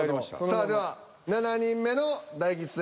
さあでは７人目の大吉先生。